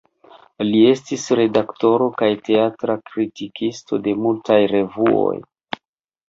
Li estis redaktoro kaj teatra kritikisto de multaj revuoj.